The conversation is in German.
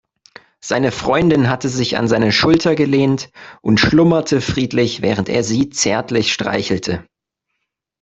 Seine Freundin hatte sich an seine Schulter gelehnt und schlummerte friedlich, während er sie zärtlich streichelte.